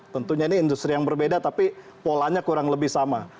tentunya ini industri yang berbeda tapi polanya kurang lebih sama